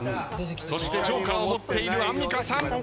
そしてジョーカーを持っているアンミカさん。